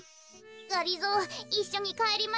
がりぞーいっしょにかえりましょ。